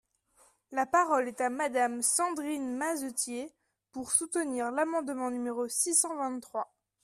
La parole est à Madame Sandrine Mazetier, pour soutenir l’amendement numéro six cent vingt-trois.